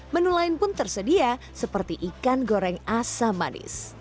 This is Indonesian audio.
menu lain pun tersedia seperti ikan goreng asam manis